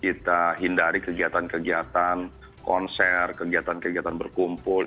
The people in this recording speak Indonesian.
kita hindari kegiatan kegiatan konser kegiatan kegiatan berkumpul